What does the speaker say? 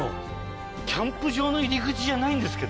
キャンプ場の入り口じゃないんですけど。